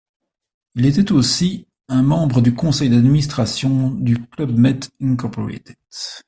Il était aussi un membre du conseil d'administration de Club Med Inc.